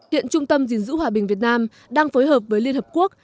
hiện trung tâm dình dữ hòa bình việt nam đang phối hợp với liên hợp quốc